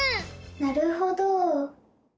なるほど！